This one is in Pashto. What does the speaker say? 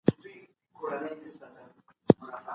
کړه، چي د «پټه خزانه» په متن کي داسي لغاتونه